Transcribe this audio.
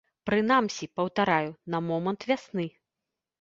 Прынамсі, паўтараю, на момант вясны.